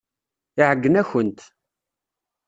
Iɛeyyen-akent.